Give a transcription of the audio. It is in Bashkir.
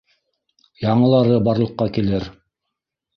— Яңылары барлыҡҡа килер